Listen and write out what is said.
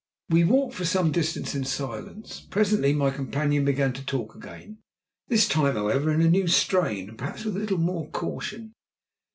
We walked for some distance in silence. Presently my companion began to talk again this time, however, in a new strain, and perhaps with a little more caution.